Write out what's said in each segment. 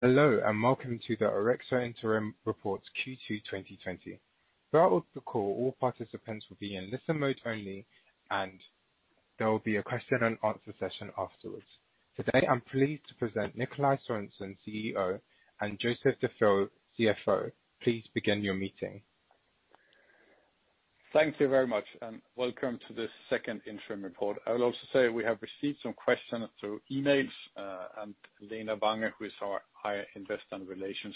Hello and welcome to the Orexo Interim Reports Q2 2020. Throughout the call, all participants will be in listen mode only, and there will be a question-and-answer session afterwards. Today, I'm pleased to present Nikolaj Sørensen, CEO, and Joseph DeFeo, CFO. Please begin your meeting. Thank you very much, and welcome to the second interim report. I will also say we have received some questions through emails, and Lena Wange, who is our Head of Investor Relations,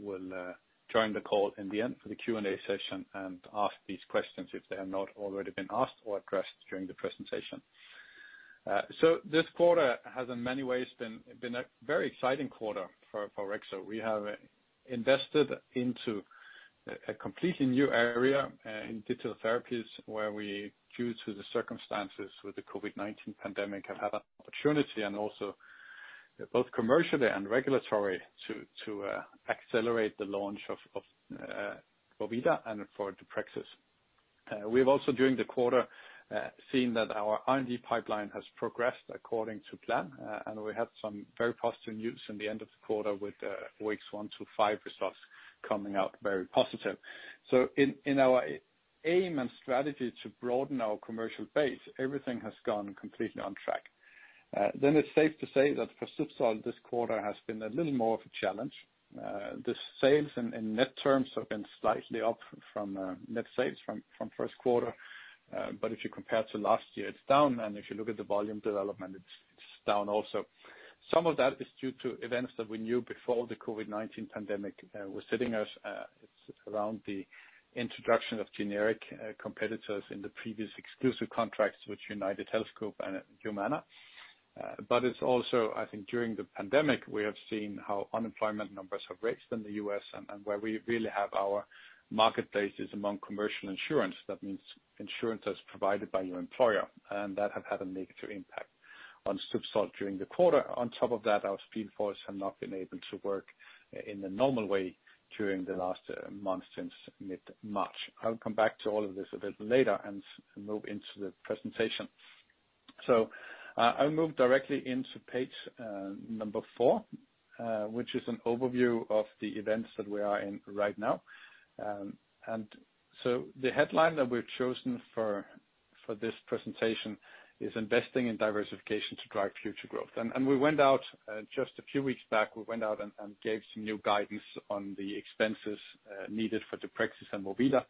will join the call in the end for the Q&A session and ask these questions if they have not already been asked or addressed during the presentation. This quarter has, in many ways, been a very exciting quarter for Orexo. We have invested into a completely new area in digital therapies, where we, due to the circumstances with the COVID-19 pandemic, have had an opportunity, and also both commercially and regulatory, to accelerate the launch of Vorvida and for Deprexis. We have also, during the quarter, seen that our R&D pipeline has progressed according to plan, and we had some very positive news in the end of the quarter with OX125 results coming out very positive. In our aim and strategy to broaden our commercial base, everything has gone completely on track. It is safe to say that for ZUBSOLV, this quarter has been a little more of a challenge. The sales in net terms have been slightly up from net sales from first quarter, but if you compare to last year, it is down, and if you look at the volume development, it is down also. Some of that is due to events that we knew before the COVID-19 pandemic were hitting us around the introduction of generic competitors in the previous exclusive contracts with UnitedHealth Group and Humana. It is also, I think, during the pandemic, we have seen how unemployment numbers have raised in the US and where we really have our marketplaces among commercial insurance. That means insurance that's provided by your employer, and that has had a negative impact on ZUBSOLV during the quarter. On top of that, our sales force has not been able to work in the normal way during the last month since mid-March. I'll come back to all of this a bit later and move into the presentation. I'll move directly into page number four, which is an overview of the events that we are in right now. The headline that we've chosen for this presentation is "Investing in Diversification to Drive Future Growth." We went out just a few weeks back, we went out and gave some new guidance on the expenses needed for Deprexis and Vorvida.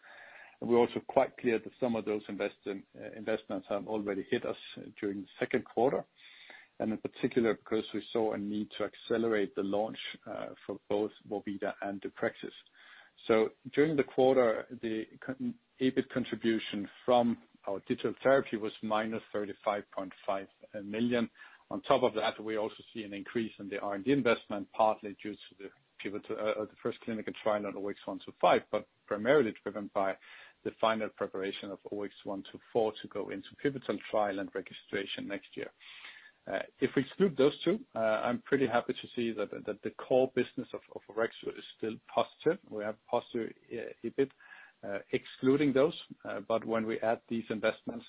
We're also quite clear that some of those investments have already hit us during the second quarter, and in particular because we saw a need to accelerate the launch for both Vorvida and Deprexis. During the quarter, the EBIT contribution from our digital therapy was minus 35.5 million. On top of that, we also see an increase in the R&D investment, partly due to the first clinical trial on OX125, but primarily driven by the final preparation of OX124 to go into pivotal trial and registration next year. If we exclude those two, I'm pretty happy to see that the core business of Orexo is still positive. We have positive EBIT excluding those, but when we add these investments,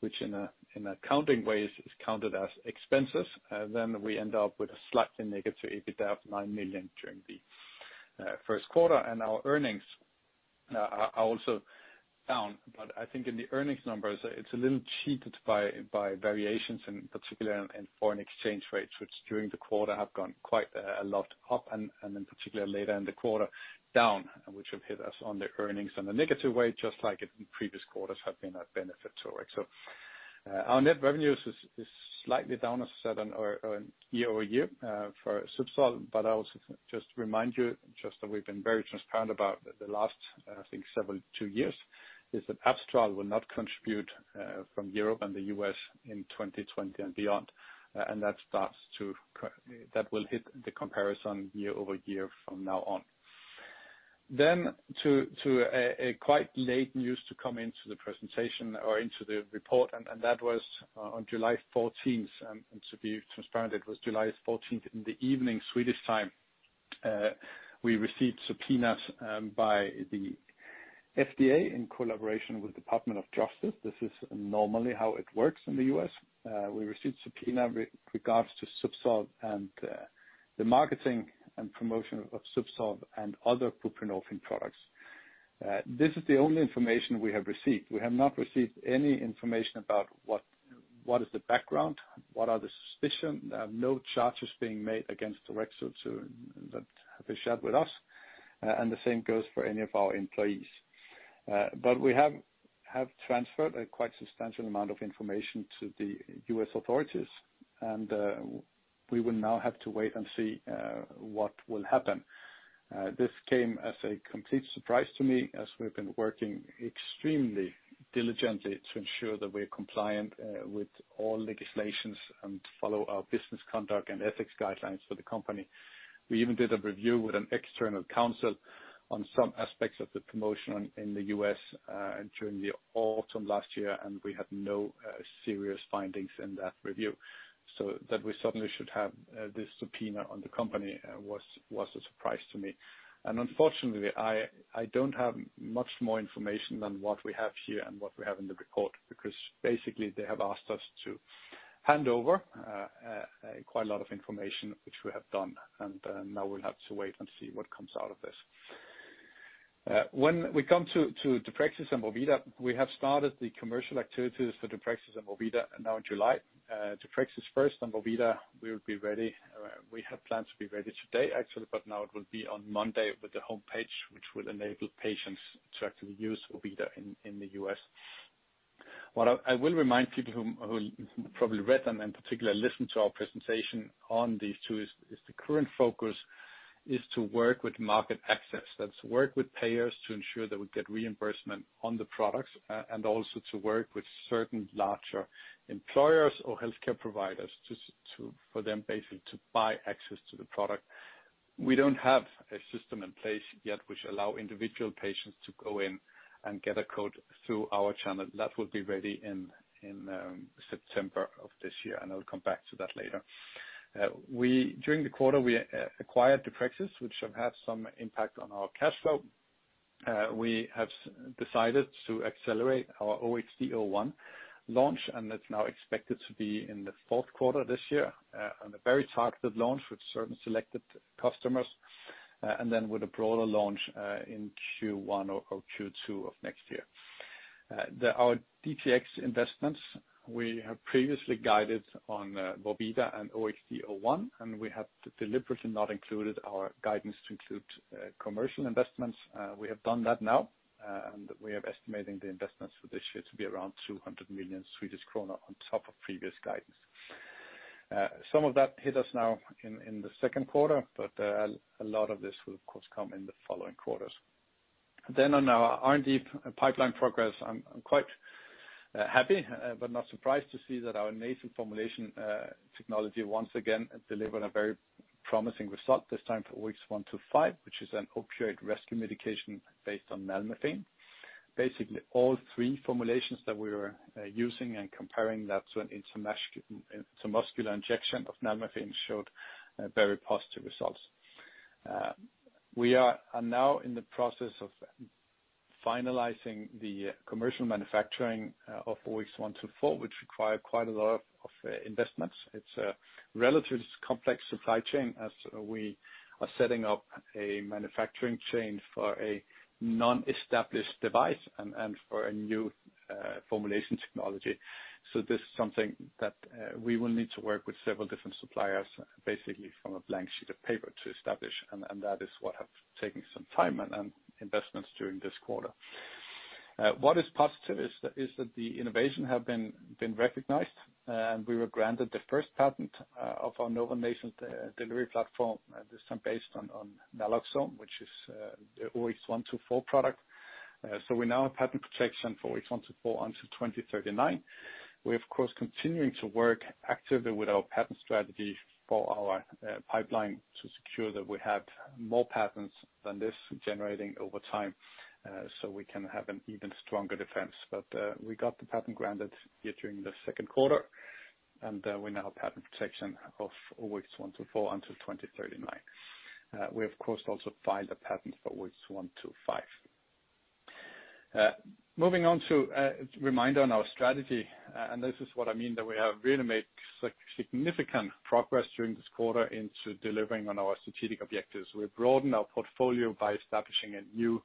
which in accounting ways is counted as expenses, we end up with a slightly negative EBITDA of 9 million during the first quarter, and our earnings are also down. I think in the earnings numbers, it's a little cheated by variations, in particular in foreign exchange rates, which during the quarter have gone quite a lot up, and in particular later in the quarter down, which have hit us on the earnings in a negative way, just like in previous quarters have been a benefit to Orexo. Our net revenues is slightly down, as I said, year over year for ZUBSOLV, but I also just remind you just that we've been very transparent about the last, I think, several two years, is that Abstral will not contribute from Europe and the US in 2020 and beyond, and that will hit the comparison year over year from now on. To a quite late news to come into the presentation or into the report, and that was on July 14, and to be transparent, it was July 14 in the evening Swedish time. We received subpoenas by the FDA in collaboration with the Department of Justice. This is normally how it works in the U.S. We received subpoena with regards to ZUBSOLV and the marketing and promotion of ZUBSOLV and other buprenorphine products. This is the only information we have received. We have not received any information about what is the background, what are the suspicions. There are no charges being made against Orexo that have been shared with us, and the same goes for any of our employees. We have transferred a quite substantial amount of information to the U.S. authorities, and we will now have to wait and see what will happen. This came as a complete surprise to me, as we've been working extremely diligently to ensure that we're compliant with all legislations and follow our business conduct and ethics guidelines for the company. We even did a review with an external counsel on some aspects of the promotion in the US during the autumn last year, and we had no serious findings in that review. That we suddenly should have this subpoena on the company was a surprise to me. Unfortunately, I don't have much more information than what we have here and what we have in the report, because basically they have asked us to hand over quite a lot of information, which we have done, and now we'll have to wait and see what comes out of this. When we come to Deprexis and Vorvida, we have started the commercial activities for Deprexis and Vorvida now in July. Deprexis first and Vorvida will be ready. We have plans to be ready today, actually, but now it will be on Monday with the homepage, which will enable patients to actually use Vorvida in the US. What I will remind people who probably read and in particular listened to our presentation on these two is the current focus is to work with market access. That is work with payers to ensure that we get reimbursement on the products and also to work with certain larger employers or healthcare providers for them basically to buy access to the product. We do not have a system in place yet which allows individual patients to go in and get a code through our channel. That will be ready in September of this year, and I'll come back to that later. During the quarter, we acquired Deprexis, which has had some impact on our cash flow. We have decided to accelerate our OHD01 launch, and it's now expected to be in the fourth quarter this year on a very targeted launch with certain selected customers, and then with a broader launch in Q1 or Q2 of next year. Our DTX investments, we have previously guided on Vorvida and OHD01, and we have deliberately not included our guidance to include commercial investments. We have done that now, and we are estimating the investments for this year to be around 200 million Swedish krona on top of previous guidance. Some of that hit us now in the second quarter, but a lot of this will, of course, come in the following quarters. On our R&D pipeline progress, I'm quite happy but not surprised to see that our nasal formulation technology once again delivered a very promising result, this time for OX125, which is an opioid rescue medication based on nalmefene. Basically, all three formulations that we were using and comparing that to an intramuscular injection of nalmefene showed very positive results. We are now in the process of finalizing the commercial manufacturing of OX124, which requires quite a lot of investments. It's a relatively complex supply chain as we are setting up a manufacturing chain for a non-established device and for a new formulation technology. This is something that we will need to work with several different suppliers, basically from a blank sheet of paper to establish, and that is what has taken some time and investments during this quarter. What is positive is that the innovation has been recognized, and we were granted the first patent of our novel intranasal delivery platform, this time based on naloxone, which is the OX124 product. We now have patent protection for OX124 until 2039. We are, of course, continuing to work actively with our patent strategy for our pipeline to secure that we have more patents than this generating over time so we can have an even stronger defense. We got the patent granted here during the second quarter, and we now have patent protection of OX124 until 2039. We, of course, also filed a patent for OX125. Moving on to a reminder on our strategy, and this is what I mean that we have really made significant progress during this quarter into delivering on our strategic objectives. We've broadened our portfolio by establishing a new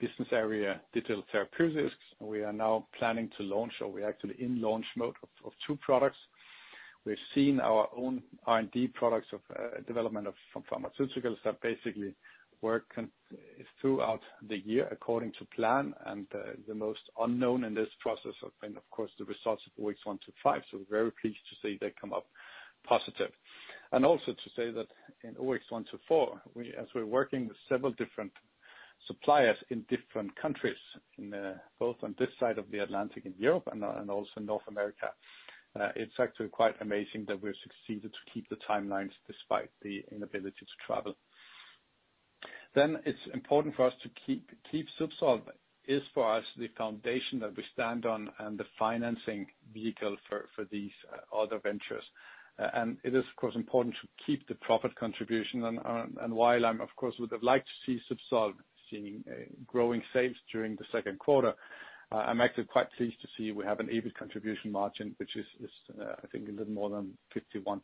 business area, digital therapeutics. We are now planning to launch, or we're actually in launch mode, of two products. We've seen our own R&D products of development from pharmaceuticals that basically work throughout the year according to plan, and the most unknown in this process have been, of course, the results of OX125, so we're very pleased to see they come up positive. Also to say that in OX124, as we're working with several different suppliers in different countries, both on this side of the Atlantic in Europe and also North America, it's actually quite amazing that we've succeeded to keep the timelines despite the inability to travel. It is important for us to keep ZUBSOLV as the foundation that we stand on and the financing vehicle for these other ventures. It is, of course, important to keep the profit contribution, and while I, of course, would have liked to see ZUBSOLV seeing growing sales during the second quarter, I am actually quite pleased to see we have an EBIT contribution margin, which is, I think, a little more than 51%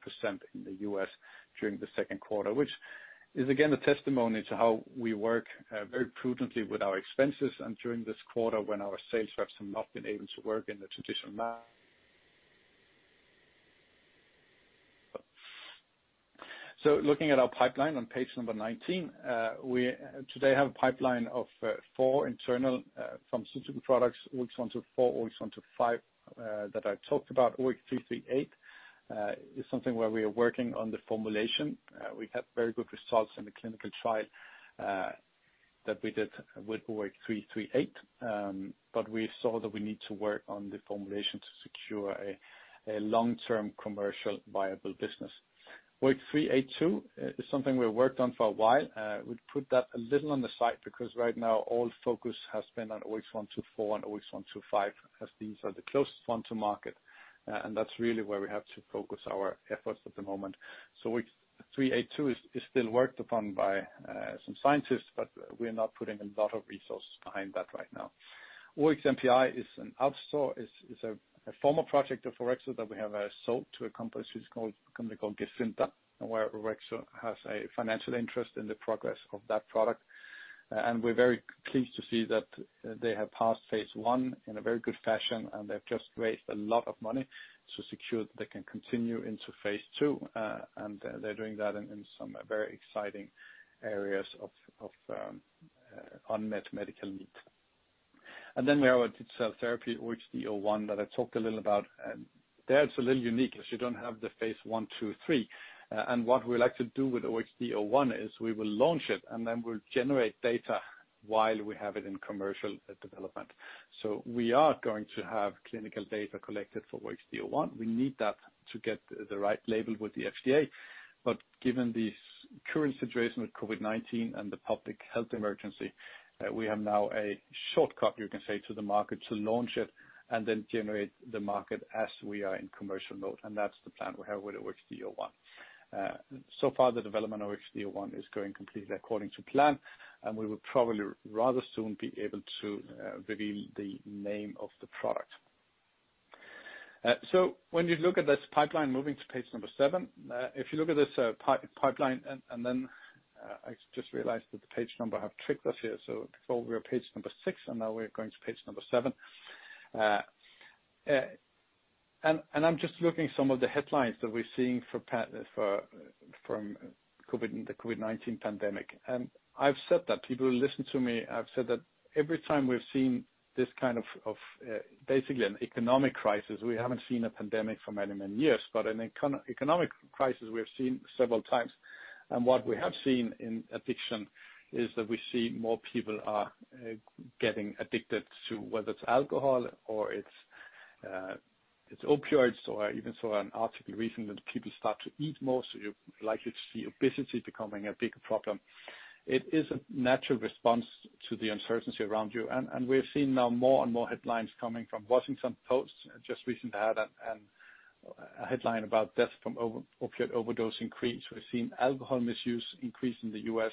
in the US during the second quarter, which is again a testimony to how we work very prudently with our expenses during this quarter when our sales reps have not been able to work in the traditional manner. Looking at our pipeline on page number 19, we today have a pipeline of four internal pharmaceutical products, OX124, OX125 that I talked about. OX338 is something where we are working on the formulation. We had very good results in the clinical trial that we did with OX338, but we saw that we need to work on the formulation to secure a long-term commercially viable business. OX382 is something we've worked on for a while. We put that a little on the side because right now all focus has been on OX124 and OX125 as these are the closest ones to market, and that's really where we have to focus our efforts at the moment. OX382 is still worked upon by some scientists, but we're not putting a lot of resources behind that right now. OXMPI is an outsourced, is a former project of Orexo that we have sold to a company called Gedeon Richter, where Orexo has a financial interest in the progress of that product. We're very pleased to see that they have passed phase one in a very good fashion, and they've just raised a lot of money to secure that they can continue into phase two, and they're doing that in some very exciting areas of unmet medical needs. We have our digital therapy, OHD01, that I talked a little about. There it's a little unique as you don't have the phase one, two, three. What we like to do with OHD01 is we will launch it, and then we'll generate data while we have it in commercial development. We are going to have clinical data collected for OHD01. We need that to get the right label with the FDA, but given the current situation with COVID-19 and the public health emergency, we have now a shortcut, you can say, to the market to launch it and then generate the market as we are in commercial mode, and that's the plan we have with OHD01. So far, the development of OHD01 is going completely according to plan, and we will probably rather soon be able to reveal the name of the product. When you look at this pipeline moving to page number seven, if you look at this pipeline, I just realized that the page number have tricked us here. Before we were page number six, and now we're going to page number seven. I'm just looking at some of the headlines that we're seeing from the COVID-19 pandemic. I've said that people who listen to me, I've said that every time we've seen this kind of basically an economic crisis, we haven't seen a pandemic for many, many years, but an economic crisis we've seen several times. What we have seen in addiction is that we see more people are getting addicted to whether it's alcohol or it's opioids or even saw an article recently that people start to eat more, so you're likely to see obesity becoming a bigger problem. It is a natural response to the uncertainty around you, and we've seen now more and more headlines coming from Washington Post just recently had a headline about death from opioid overdose increase. We've seen alcohol misuse increase in the US.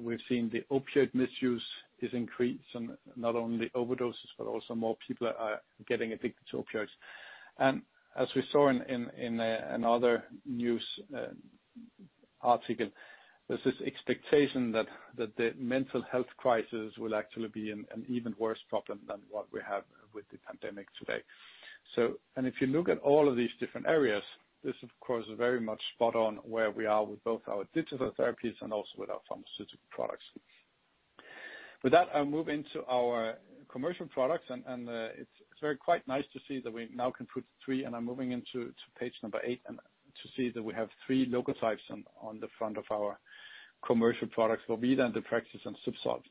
We've seen the opioid misuse is increased, and not only overdoses, but also more people are getting addicted to opioids. As we saw in another news article, there's this expectation that the mental health crisis will actually be an even worse problem than what we have with the pandemic today. If you look at all of these different areas, this is, of course, very much spot on where we are with both our digital therapies and also with our pharmaceutical products. With that, I'll move into our commercial products, and it's quite nice to see that we now can put three, and I'm moving into page number eight to see that we have three logotypes on the front of our commercial products, Vorvida, Deprexis, and ZUBSOLV.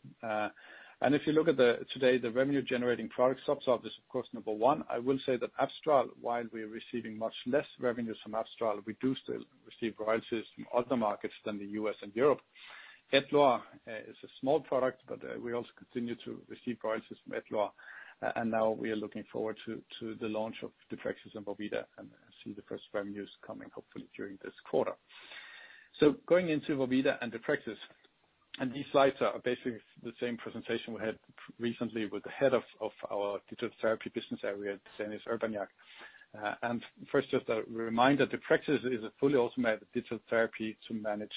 If you look at today, the revenue-generating product, ZUBSOLV is, of course, number one. I will say that Abstral, while we are receiving much less revenue from Abstral, we do still receive royalties from other markets than the US and Europe. Edluar is a small product, but we also continue to receive royalties from Edluar, and now we are looking forward to the launch of Deprexis and Vorvida and see the first revenues coming, hopefully, during this quarter. Going into Vorvida and Deprexis, these slides are basically the same presentation we had recently with the Head of our Digital Therapy business area, Dennis Urbaniak. First, just a reminder, Deprexis is a fully automated digital therapy to manage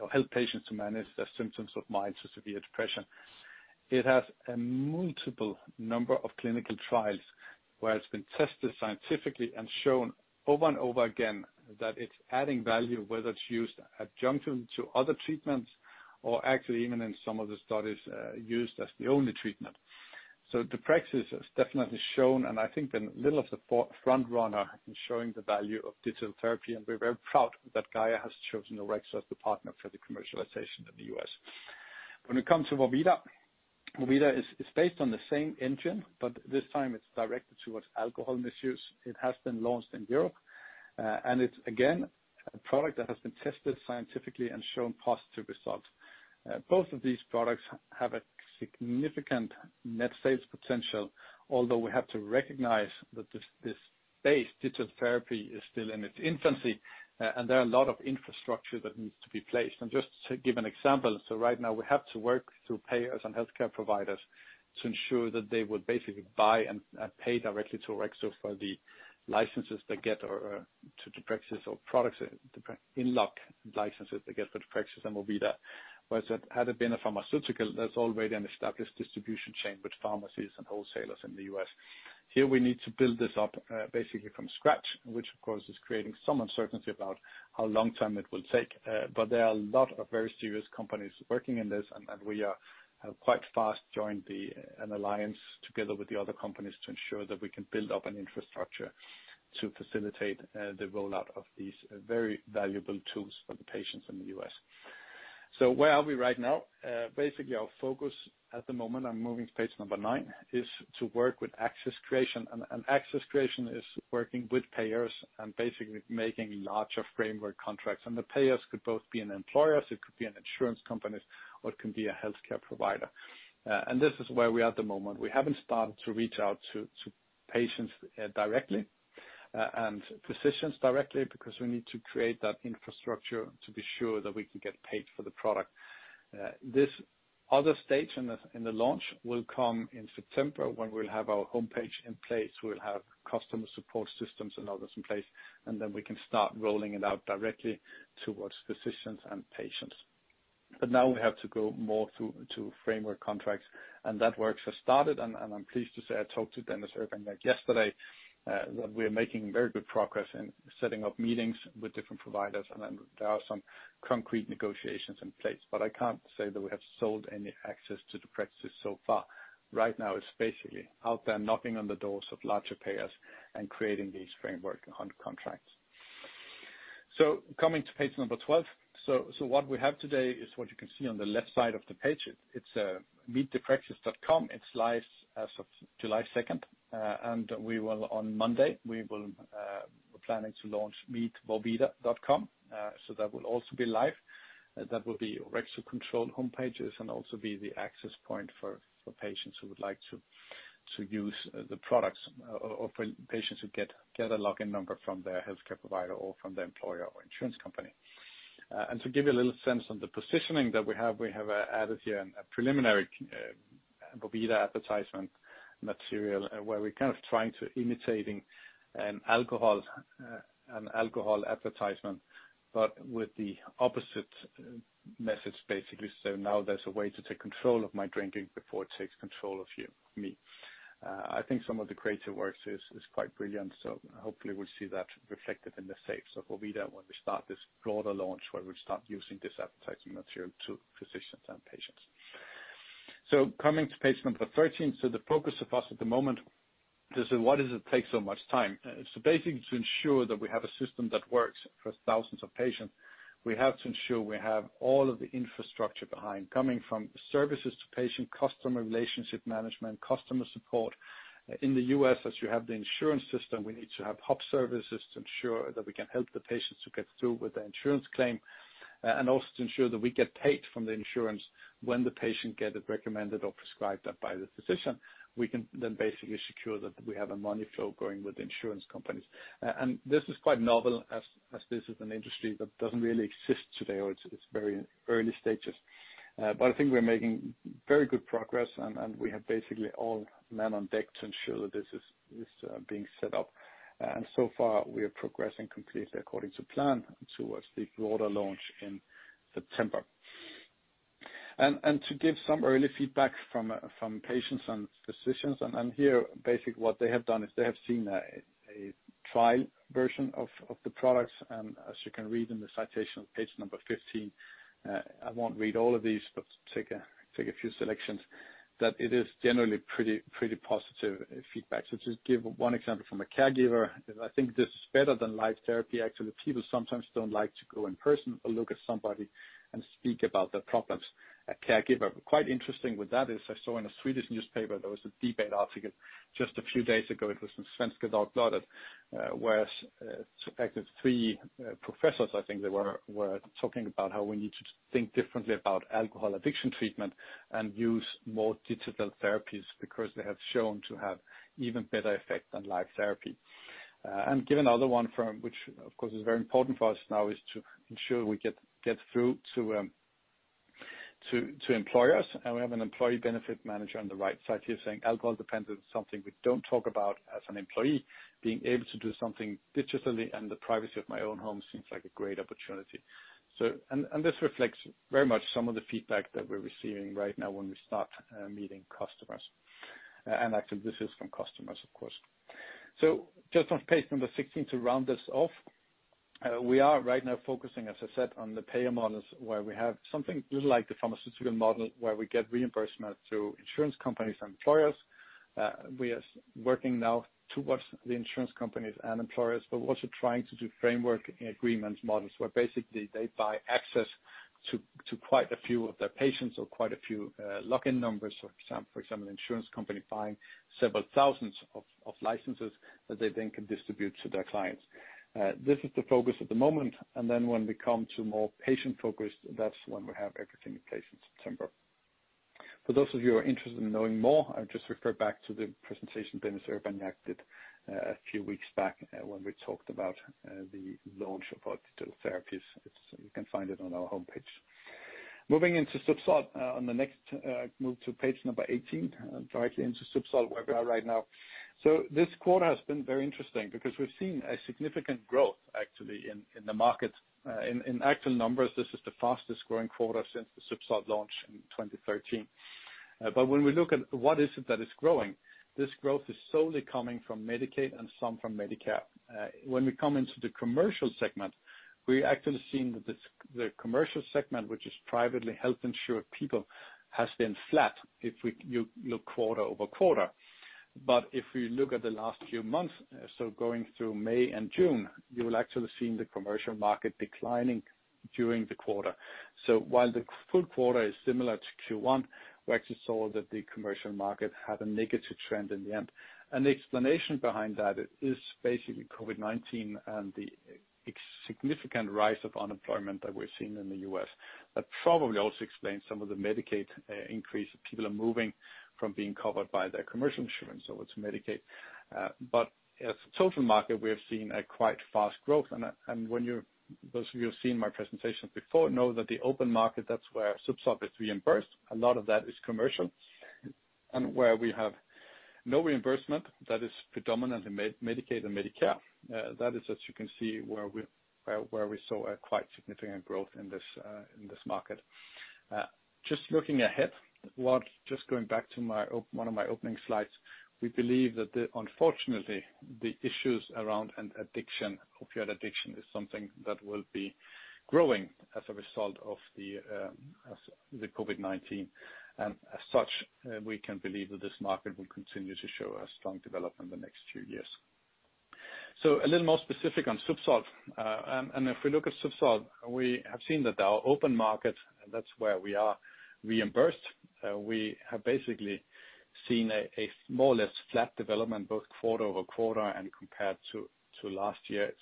or help patients to manage their symptoms of mild to severe depression. It has a multiple number of clinical trials where it's been tested scientifically and shown over and over again that it's adding value, whether it's used adjunctively to other treatments or actually even in some of the studies used as the only treatment. Deprexis has definitely shown, and I think been a little of the front runner in showing the value of digital therapy, and we're Gaia AG has chosen Orexo as the partner for the commercialization in the US. When it comes to Vorvida, Vorvida is based on the same engine, but this time it's directed towards alcohol misuse. It has been launched in Europe, and it's again a product that has been tested scientifically and shown positive results. Both of these products have a significant net sales potential, although we have to recognize that this base digital therapy is still in its infancy, and there are a lot of infrastructure that needs to be placed. Just to give an example, right now we have to work through payers and healthcare providers to ensure that they would basically buy and pay directly to Orexo for the licenses they get to Deprexis or products, in-lock licenses they get for Deprexis and Vorvida. Whereas if it had been a pharmaceutical, there is already an established distribution chain with pharmacies and wholesalers in the US. Here we need to build this up basically from scratch, which, of course, is creating some uncertainty about how long it will take, but there are a lot of very serious companies working in this, and we have quite fast joined an alliance together with the other companies to ensure that we can build up an infrastructure to facilitate the rollout of these very valuable tools for the patients in the US. Where are we right now? Basically, our focus at the moment, I'm moving to page number nine, is to work with access creation, and access creation is working with payers and basically making larger framework contracts. The payers could both be employers, it could be insurance companies, or it can be a healthcare provider. This is where we are at the moment. We haven't started to reach out to patients directly and physicians directly because we need to create that infrastructure to be sure that we can get paid for the product. This other stage in the launch will come in September when we'll have our homepage in place, we'll have customer support systems and others in place, and then we can start rolling it out directly towards physicians and patients. Now we have to go more through to framework contracts, and that work has started, and I'm pleased to say I talked to Dennis Urbaniak yesterday that we're making very good progress in setting up meetings with different providers, and there are some concrete negotiations in place. I can't say that we have sold any access to Deprexis so far. Right now it's basically out there knocking on the doors of larger payers and creating these framework contracts. Coming to page number 12, what we have today is what you can see on the left side of the page. It's meetDeprexis.com. It's live as of July 2, and on Monday we're planning to launch meetVorvida.com, so that will also be live. That will be Orexo control homepages and also be the access point for patients who would like to use the products or for patients who get a login number from their healthcare provider or from their employer or insurance company. To give you a little sense on the positioning that we have, we have added here a preliminary Vorvida advertisement material where we're kind of trying to imitate an alcohol advertisement, but with the opposite message basically, so now there's a way to take control of my drinking before it takes control of me. I think some of the creative work is quite brilliant, so hopefully we'll see that reflected in the sales of Vorvida when we start this broader launch where we'll start using this advertising material to physicians and patients. Coming to page number 13, the focus of us at the moment is what does it take so much time. Basically, to ensure that we have a system that works for thousands of patients, we have to ensure we have all of the infrastructure behind, coming from services to patient, customer relationship management, customer support. In the US, as you have the insurance system, we need to have hub services to ensure that we can help the patients to get through with the insurance claim and also to ensure that we get paid from the insurance when the patient gets it recommended or prescribed by the physician. We can then basically secure that we have a money flow going with the insurance companies. This is quite novel as this is an industry that doesn't really exist today or it's very early stages. I think we're making very good progress, and we have basically all men on deck to ensure that this is being set up. We are progressing completely according to plan towards the broader launch in September. To give some early feedback from patients and physicians, what they have done is they have seen a trial version of the products, and as you can read in the citation on page number 15, I won't read all of these, but take a few selections, that it is generally pretty positive feedback. To give one example from a caregiver, I think this is better than live therapy. Actually, people sometimes don't like to go in person or look at somebody and speak about their problems. A caregiver, but quite interesting with that is I saw in a Swedish newspaper there was a debate article just a few days ago. It was in Svenska Dagbladet, where three professors, I think they were, were talking about how we need to think differently about alcohol addiction treatment and use more digital therapies because they have shown to have even better effect than live therapy. Given the other one which, of course, is very important for us now is to ensure we get through to employers, and we have an employee benefit manager on the right side here saying alcohol dependence is something we do not talk about as an employee. Being able to do something digitally and the privacy of my own home seems like a great opportunity. This reflects very much some of the feedback that we are receiving right now when we start meeting customers. Actually this is from customers, of course. Just on page number 16 to round this off, we are right now focusing, as I said, on the payer models where we have something a little like the pharmaceutical model where we get reimbursement through insurance companies and employers. We are working now towards the insurance companies and employers, but also trying to do framework agreements models where basically they buy access to quite a few of their patients or quite a few login numbers. For example, an insurance company buying several thousands of licenses that they then can distribute to their clients. This is the focus at the moment, and then when we come to more patient-focused, that's when we have everything in place in September. For those of you who are interested in knowing more, I'll just refer back to the presentation Dennis Urbaniak did a few weeks back when we talked about the launch of our digital therapies. You can find it on our homepage. Moving into ZUBSOLV on the next move to page number 18, directly into ZUBSOLV where we are right now. This quarter has been very interesting because we've seen a significant growth actually in the market. In actual numbers, this is the fastest growing quarter since the ZUBSOLV launch in 2013. When we look at what is it that is growing, this growth is solely coming from Medicaid and some from Medicare. When we come into the commercial segment, we're actually seeing that the commercial segment, which is privately health insured people, has been flat if you look quarter over quarter. If we look at the last few months, going through May and June, you will actually see the commercial market declining during the quarter. While the full quarter is similar to Q1, we actually saw that the commercial market had a negative trend in the end. The explanation behind that is basically COVID-19 and the significant rise of unemployment that we're seeing in the US. That probably also explains some of the Medicaid increase. People are moving from being covered by their commercial insurance over to Medicaid. As a total market, we have seen a quite fast growth. Those of you who have seen my presentations before know that the open market, that's where ZUBSOLV gets reimbursed. A lot of that is commercial. Where we have no reimbursement, that is predominantly Medicaid and Medicare. That is, as you can see, where we saw a quite significant growth in this market. Just looking ahead, just going back to one of my opening slides, we believe that, unfortunately, the issues around addiction, opioid addiction, is something that will be growing as a result of the COVID-19. As such, we can believe that this market will continue to show a strong development in the next few years. A little more specific on ZUBSOLV. If we look at ZUBSOLV, we have seen that our open market, that's where we are reimbursed. We have basically seen a more or less flat development both quarter over quarter and compared to last year.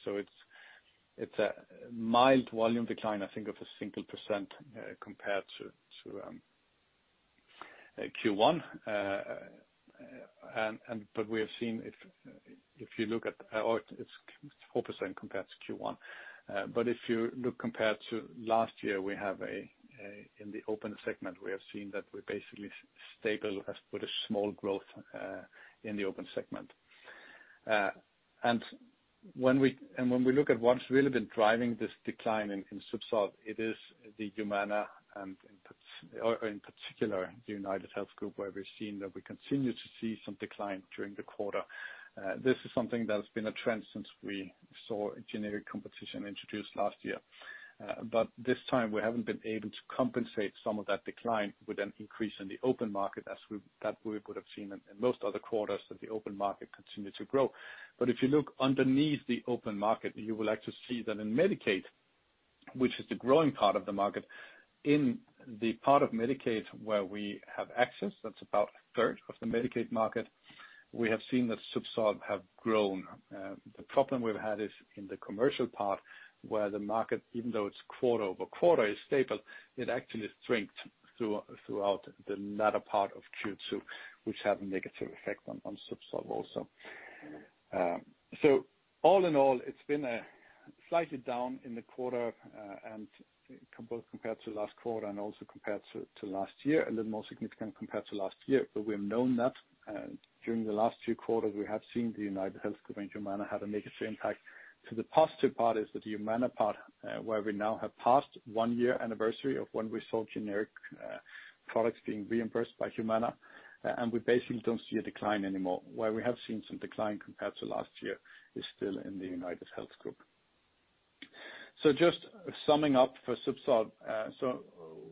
It's a mild volume decline, I think, of a single percent compared to Q1. We have seen, if you look at, it's 4% compared to Q1. If you look compared to last year, we have a, in the open segment, we have seen that we're basically stable with a small growth in the open segment. When we look at what's really been driving this decline in ZUBSOLV, it is the Humana, and in particular the UnitedHealth Group, where we've seen that we continue to see some decline during the quarter. This is something that has been a trend since we saw generic competition introduced last year. This time we haven't been able to compensate some of that decline with an increase in the open market as we would have seen in most other quarters, that the open market continued to grow. If you look underneath the open market, you will actually see that in Medicaid, which is the growing part of the market, in the part of Medicaid where we have access, that's about a third of the Medicaid market, we have seen that ZUBSOLV have grown. The problem we've had is in the commercial part where the market, even though it's quarter over quarter, is stable, it actually shrinked throughout the latter part of Q2, which had a negative effect on ZUBSOLV also. All in all, it's been slightly down in the quarter and both compared to last quarter and also compared to last year, a little more significant compared to last year. We have known that during the last few quarters we have seen UnitedHealth Group and Humana had a negative impact. The positive part is that the Humana part, where we now have passed one year anniversary of when we saw generic products being reimbursed by Humana, and we basically do not see a decline anymore. Where we have seen some decline compared to last year is still in the UnitedHealth Group. Just summing up for ZUBSOLV,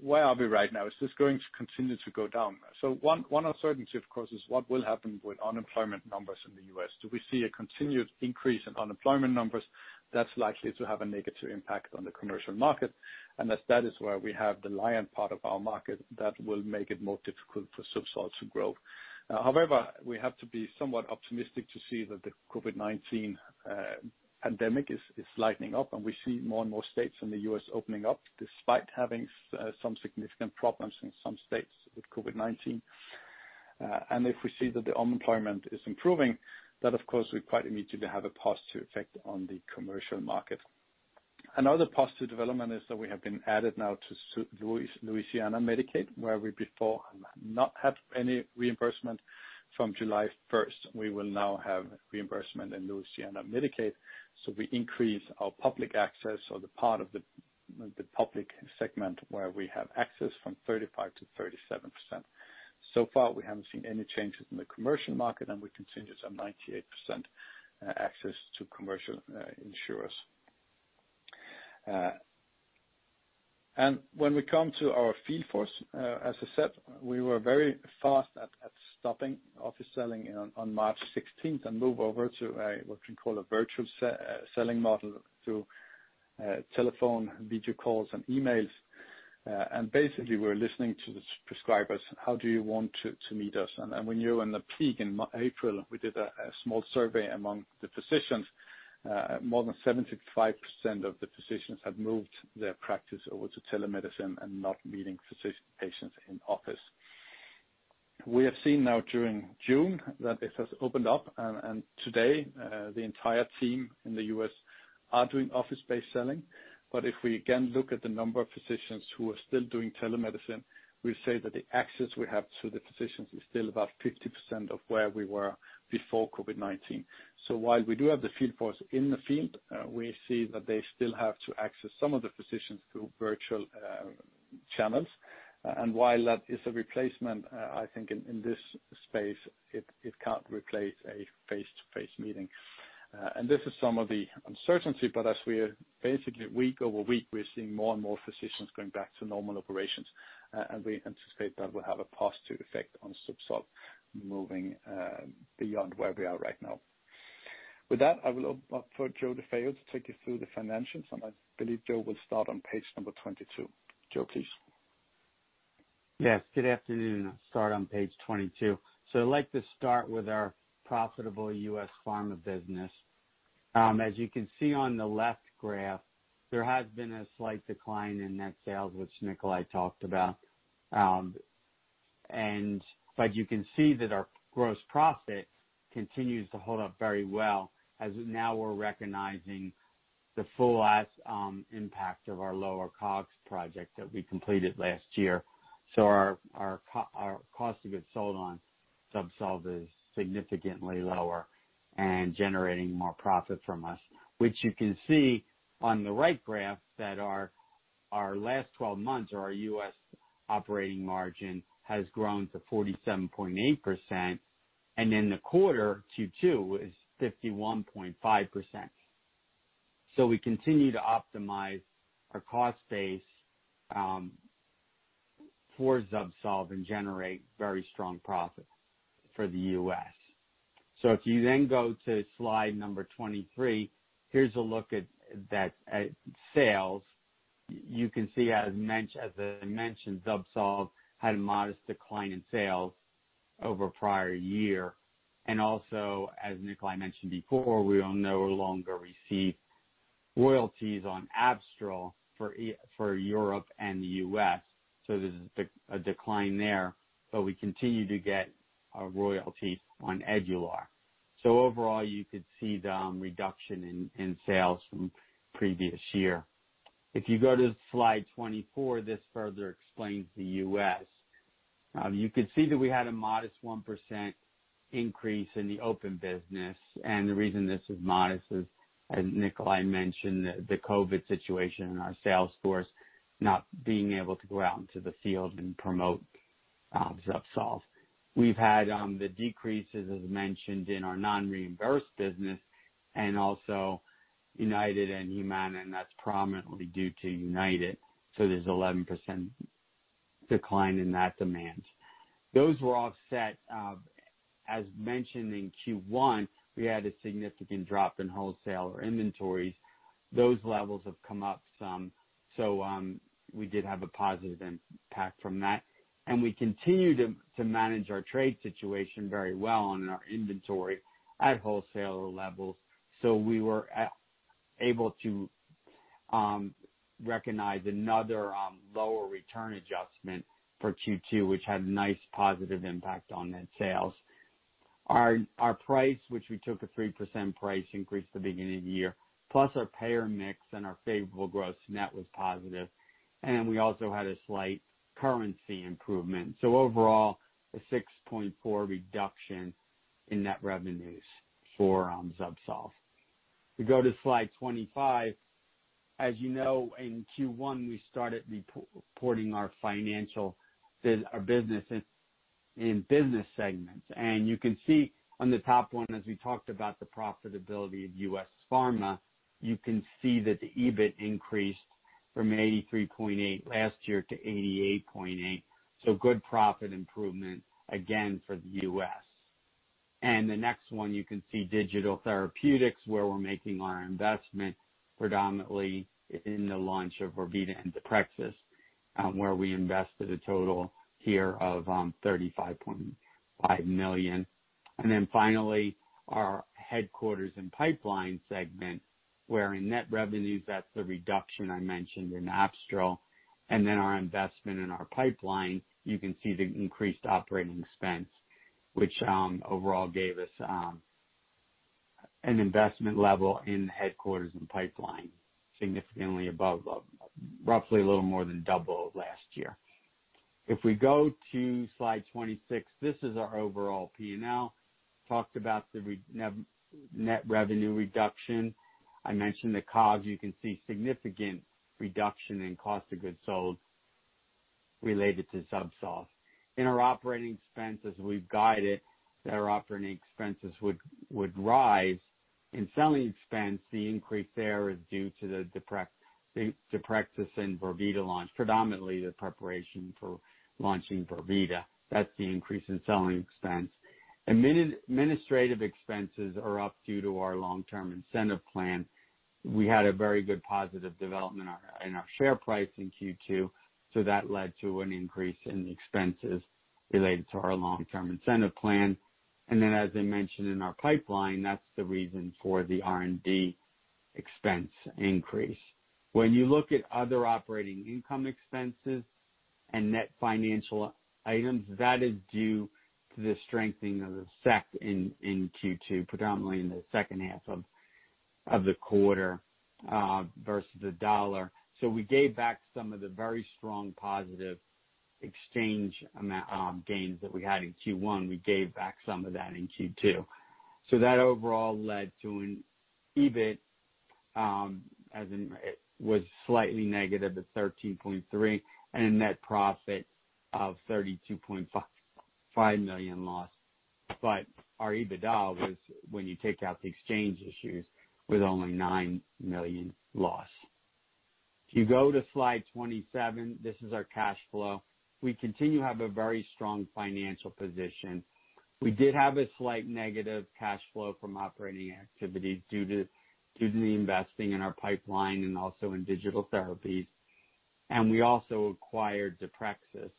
where are we right now? Is this going to continue to go down? One uncertainty, of course, is what will happen with unemployment numbers in the US. Do we see a continued increase in unemployment numbers? That is likely to have a negative impact on the commercial market. That is where we have the lion part of our market that will make it more difficult for ZUBSOLV to grow. However, we have to be somewhat optimistic to see that the COVID-19 pandemic is lightening up, and we see more and more states in the US opening up despite having some significant problems in some states with COVID-19. If we see that the unemployment is improving, that, of course, will quite immediately have a positive effect on the commercial market. Another positive development is that we have been added now to Louisiana Medicaid, where we before not had any reimbursement. From July 1, we will now have reimbursement in Louisiana Medicaid. We increase our public access or the part of the public segment where we have access from 35% to 37%. So far we have not seen any changes in the commercial market, and we continue to have 98% access to commercial insurers. When we come to our field force, as I said, we were very fast at stopping office selling on March 16 and moved over to what we call a virtual selling model through telephone, video calls, and emails. Basically, we are listening to the prescribers, how do you want to meet us? When you were in the peak in April, we did a small survey among the physicians. More than 75% of the physicians had moved their practice over to telemedicine and not meeting patients in office. We have seen now during June that it has opened up, and today the entire team in the US are doing office-based selling. If we again look at the number of physicians who are still doing telemedicine, we say that the access we have to the physicians is still about 50% of where we were before COVID-19. While we do have the field force in the field, we see that they still have to access some of the physicians through virtual channels. While that is a replacement, I think in this space it can't replace a face-to-face meeting. This is some of the uncertainty, but as we basically week over week we're seeing more and more physicians going back to normal operations. We anticipate that will have a positive effect on ZUBSOLV moving beyond where we are right now. With that, I will open up for Joseph DeFeo to take you through the financials, and I believe Joseph will start on page number 22. Joseph, please. Yes. Good afternoon. I'll start on page 22. I would like to start with our profitable US pharma business. As you can see on the left graph, there has been a slight decline in net sales, which Nikolaj talked about. You can see that our gross profit continues to hold up very well as now we are recognizing the full impact of our lower cost project that we completed last year. Our cost of goods sold on ZUBSOLV is significantly lower and generating more profit for us, which you can see on the right graph that our last 12 months, our US operating margin has grown to 47.8%, and in the quarter, Q2, it was 51.5%. We continue to optimize our cost base for ZUBSOLV and generate very strong profit for the US. If you then go to slide number 23, here's a look at sales. You can see, as I mentioned, ZUBSOLV had a modest decline in sales over the prior year. As Nikolaj mentioned before, we will no longer receive royalties on Abstral for Europe and the United States. There is a decline there, but we continue to get royalties on Edluar. Overall, you could see the reduction in sales from the previous year. If you go to slide 24, this further explains the United States. You could see that we had a modest 1% increase in the open business. The reason this is modest is, as Nikolaj mentioned, the COVID-19 situation and our sales force not being able to go out into the field and promote ZUBSOLV. We've had the decreases, as mentioned, in our non-reimbursed business and also United and Humana, and that's prominently due to United. There's an 11% decline in that demand. Those were offset. As mentioned in Q1, we had a significant drop in wholesale or inventories. Those levels have come up some. We did have a positive impact from that. We continue to manage our trade situation very well on our inventory at wholesale levels. We were able to recognize another lower return adjustment for Q2, which had a nice positive impact on net sales. Our price, which we took a 3% price increase at the beginning of the year, plus our payer mix and our favorable gross net was positive. We also had a slight currency improvement. Overall, a 6.4% reduction in net revenues for ZUBSOLV. We go to slide 25. As you know, in Q1 we started reporting our business in business segments. You can see on the top one, as we talked about the profitability of US pharma, you can see that the EBIT increased from 83.8 million last year to 88.8 million. Good profit improvement again for the US. The next one, you can see Digital Therapeutics, where we're making our investment predominantly in the launch of Vorvida and Deprexis, where we invested a total here of 35.5 million. Finally, our headquarters and pipeline segment, where in net revenues that's the reduction I mentioned in Abstral. Our investment in our pipeline, you can see the increased operating expense, which overall gave us an investment level in headquarters and pipeline significantly above, roughly a little more than double last year. If we go to slide 26, this is our overall P&L. Talked about the net revenue reduction. I mentioned the cost. You can see significant reduction in cost of goods sold related to ZUBSOLV. In our operating expenses, we've guided that our operating expenses would rise. In selling expense, the increase there is due to the Deprexis and Vorvida launch, predominantly the preparation for launching Vorvida. That's the increase in selling expense. Administrative expenses are up due to our long-term incentive plan. We had a very good positive development in our share price in Q2, so that led to an increase in the expenses related to our long-term incentive plan. As I mentioned in our pipeline, that's the reason for the R&D expense increase. When you look at other operating income expenses and net financial items, that is due to the strengthening of the SEK in Q2, predominantly in the second half of the quarter versus the dollar. We gave back some of the very strong positive exchange gains that we had in Q1. We gave back some of that in Q2. That overall led to an EBIT, as in it was slightly negative at 13.3 million and a net profit of 32.5 million lost. Our EBITDA was, when you take out the exchange issues, only 9 million lost. If you go to slide 27, this is our cash flow. We continue to have a very strong financial position. We did have a slight negative cash flow from operating activities due to investing in our pipeline and also in Digital Therapeutics. We also acquired Deprexis.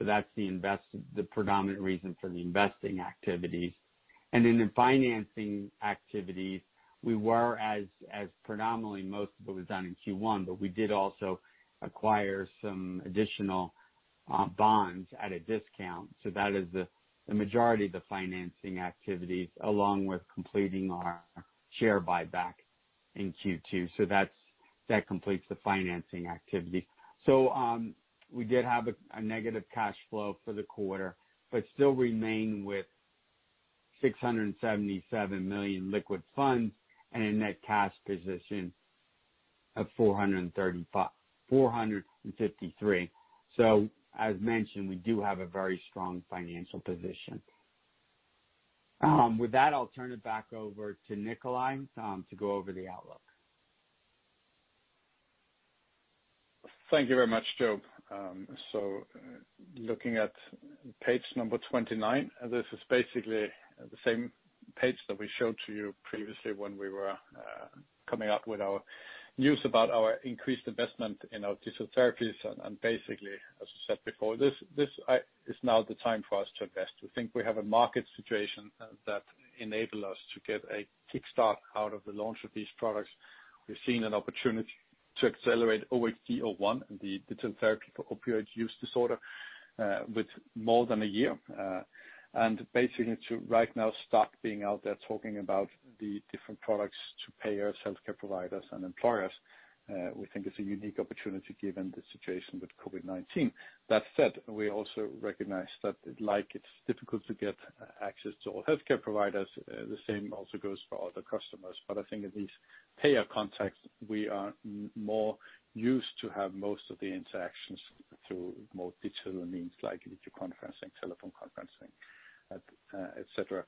That is the predominant reason for the investing activities. In financing activities, as predominantly most of it was done in Q1, we did also acquire some additional bonds at a discount. That is the majority of the financing activities, along with completing our share buyback in Q2. That completes the financing activities. We did have a negative cash flow for the quarter, but still remain with 677 million liquid funds and a net cash position of 453 million. As mentioned, we do have a very strong financial position. With that, I'll turn it back over to Nikolaj to go over the outlook. Thank you very much, Joe. Looking at page number 29, this is basically the same page that we showed to you previously when we were coming up with our news about our increased investment in our Digital Therapies. Basically, as we said before, this is now the time for us to invest. We think we have a market situation that enabled us to get a kickstart out of the launch of these products. We've seen an opportunity to accelerate OHD01, the Digital Therapy for Opioid Use Disorder, with more than a year. Basically, to right now start being out there talking about the different products to payers, healthcare providers, and employers, we think it's a unique opportunity given the situation with COVID-19. That said, we also recognize that, like it's difficult to get access to all healthcare providers, the same also goes for all the customers. I think in these payer contexts, we are more used to have most of the interactions through more digital means like video conferencing, telephone conferencing, etc.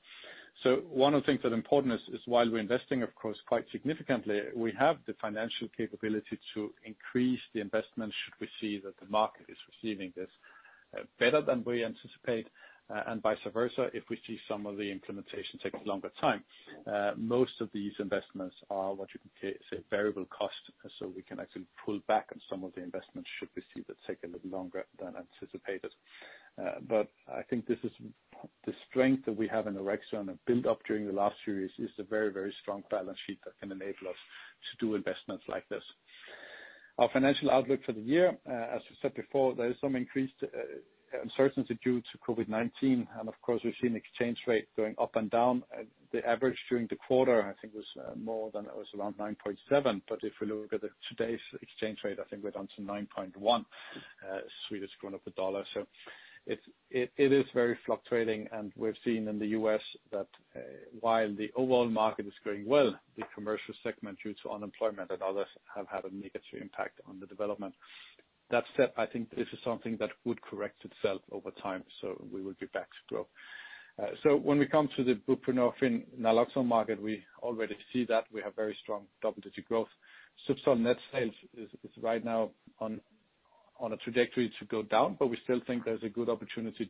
One of the things that's important is, while we're investing, of course, quite significantly, we have the financial capability to increase the investment should we see that the market is receiving this better than we anticipate and vice versa if we see some of the implementation take a longer time. Most of these investments are what you can say variable cost, so we can actually pull back on some of the investments should we see that take a little longer than anticipated. I think this is the strength that we have in Orexo and have built up during the last few years is a very, very strong balance sheet that can enable us to do investments like this. Our financial outlook for the year, as we said before, there is some increased uncertainty due to COVID-19. Of course, we've seen exchange rates going up and down. The average during the quarter, I think, was more than it was around 9.7. If we look at today's exchange rate, I think we're down to 9.1. Sweden's grown up a dollar. It is very fluctuating. We've seen in the US that while the overall market is going well, the commercial segment due to unemployment and others have had a negative impact on the development. That said, I think this is something that would correct itself over time, we will be back to growth. When we come to the Buprenorphine/Naloxone market, we already see that we have very strong TRx growth. ZUBSOLV net sales is right now on a trajectory to go down, but we still think there's a good opportunity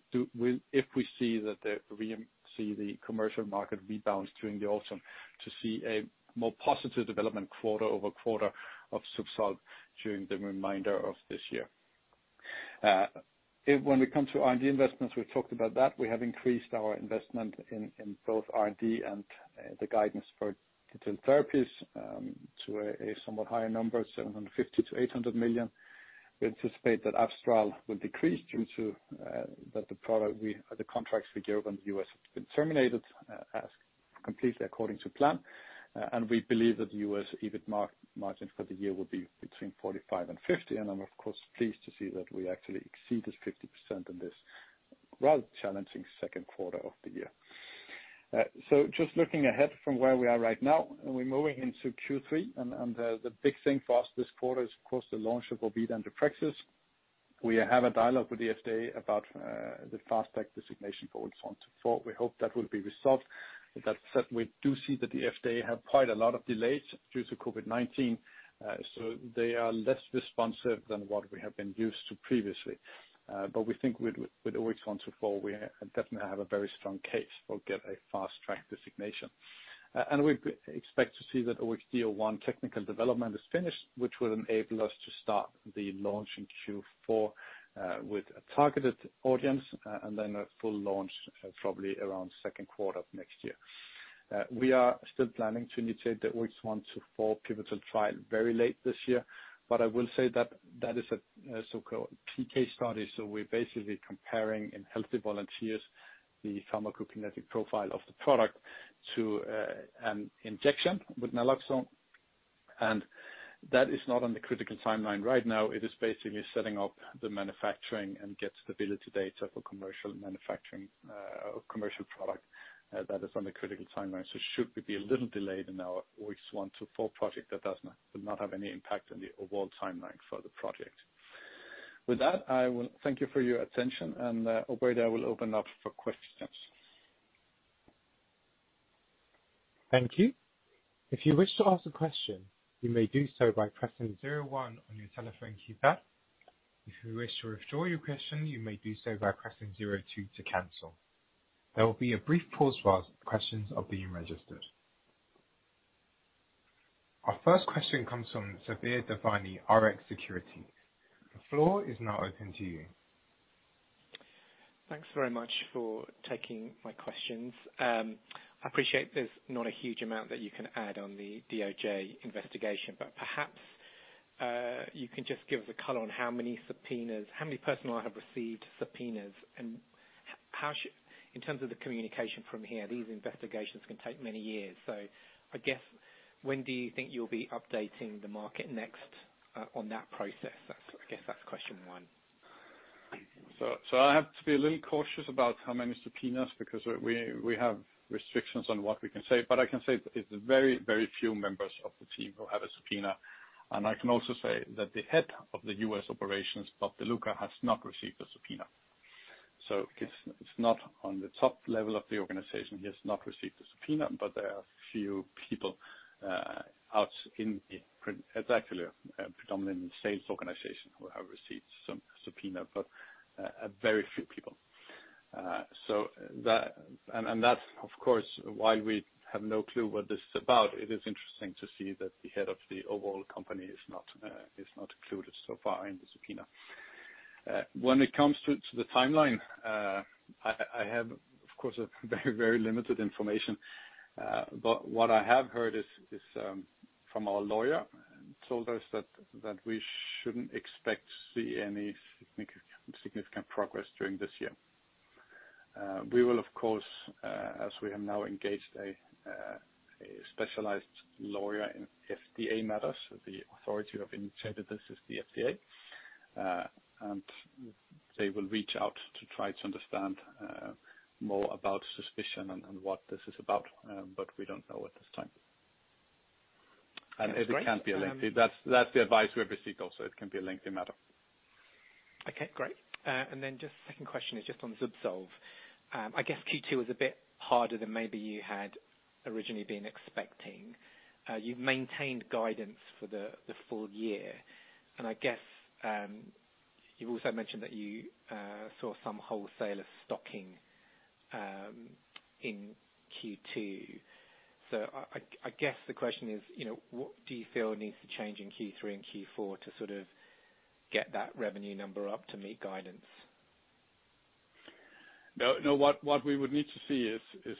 if we see that the commercial market rebounds during the autumn to see a more positive development quarter over quarter of ZUBSOLV during the remainder of this year. When we come to R&D investments, we've talked about that. We have increased our investment in both R&D and the guidance for Digital Therapies to a somewhat higher number, 750 million-800 million. We anticipate that Abstral will decrease due to the product, the contracts we gave on the US have been terminated as completely according to plan. We believe that the US EBIT margin for the year will be between 45%-50%. I am, of course, pleased to see that we actually exceeded 50% in this rather challenging second quarter of the year. Just looking ahead from where we are right now, we're moving into Q3. The big thing for us this quarter is, of course, the launch of Vorvida and Deprexis. We have a dialogue with the FDA about the Fast Track designation for OX124. We hope that will be resolved. That said, we do see that the FDA have quite a lot of delays due to COVID-19. They are less responsive than what we have been used to previously. We think with OX124, we definitely have a very strong case for getting a Fast Track designation. We expect to see that OHD01 technical development is finished, which will enable us to start the launch in Q4 with a targeted audience and then a full launch probably around second quarter of next year. We are still planning to initiate the OX124 pivotal trial very late this year. I will say that that is a so-called PK study. We are basically comparing in healthy volunteers the pharmacokinetic profile of the product to an injection with naloxone. That is not on the critical timeline right now. It is basically setting up the manufacturing and getting stability data for commercial manufacturing of commercial product that is on the critical timeline. Should we be a little delayed in our OX124 project, that does not have any impact on the overall timeline for the project. With that, I will thank you for your attention. Operator, I will open up for questions. Thank you. If you wish to ask a question, you may do so by pressing 01 on your telephone keypad. If you wish to withdraw your question, you may do so by pressing 02 to cancel. There will be a brief pause while questions. our first question comes from Samir Devani Rx Securities. The floor is now open to you. Thanks very much for taking my questions. I appreciate there's not a huge amount that you can add on the DOJ investigation, but perhaps you can just give us a color on how many subpoenas, how many personnel have received subpoenas and how in terms of the communication from here, these investigations can take many years. I guess, when do you think you'll be updating the market next on that process? I guess that's question one. I have to be a little cautious about how many subpoenas because we have restrictions on what we can say. I can say it's very, very few members of the team who have a subpoena. I can also say that the Head of US Operations, Bob DeLuca, has not received a subpoena. It's not on the top level of the organization. He has not received a subpoena, but there are a few people out in the exactly predominantly sales organization who have received some subpoena, but very few people. That, of course, while we have no clue what this is about, it is interesting to see that the head of the overall company is not included so far in the subpoena. When it comes to the timeline, I have, of course, very, very limited information. What I have heard is from our lawyer and told us that we shouldn't expect to see any significant progress during this year. We will, of course, as we have now engaged a specialized lawyer in FDA matters, the authority who have initiated this is the FDA. They will reach out to try to understand more about suspicion and what this is about. We don't know at this time. It can be lengthy. That's the advice we have received also. It can be a lengthy matter. Okay, great. Just second question is just on ZUBSOLV. I guess Q2 was a bit harder than maybe you had originally been expecting. You've maintained guidance for the full year. I guess you've also mentioned that you saw some wholesalers stocking in Q2. I guess the question is, what do you feel needs to change in Q3 and Q4 to sort of get that revenue number up to meet guidance? No, what we would need to see is